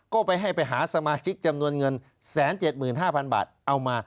ก็ไปให้ไปหาสมาชิกจำนวนเงิน๑๗๕๐๐๐บาทเอามา